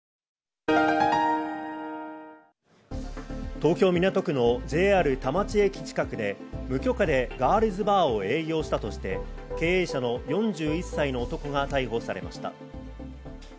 東京・港区のＪＲ田町駅近くで、無許可でガールズバーを営業したとして経営者の４１歳の男が逮捕されました。